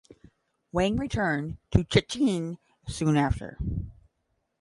Wang returned to Jicheng soon after.